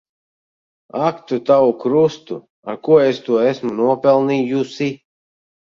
Ak tu tavu krustu! Ar ko es to esmu nopelnījusi.